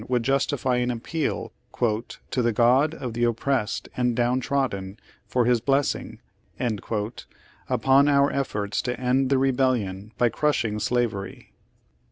11 Page Eighty two would justify an appeal "to the God of the op pressed and down trodden for his blessing" upon our efforts to end the rebellion by crushing slav ery.